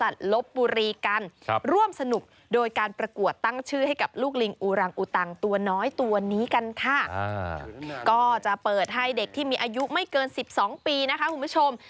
ตัวน้อยตัวนี้กันค่ะก็จะเปิดให้เด็กที่มีอายุไม่เกิน๑๒ปีนะคะคุณผู้ชม